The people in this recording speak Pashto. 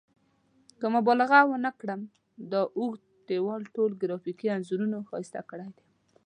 که مبالغه ونه کړم دا اوږد دیوال ټول ګرافیکي انځورونو ښایسته کړی دی.